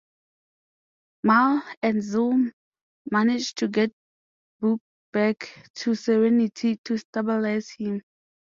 Mal and Zoe manage to get Book back to "Serenity" to stabilize him.